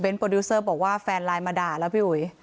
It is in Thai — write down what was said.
โปรดิวเซอร์บอกว่าแฟนไลน์มาด่าแล้วพี่อุ๋ย